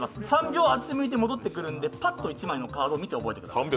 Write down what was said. ３秒あっち向いて戻ってくるのでパッと１枚のカードを見て覚えてください。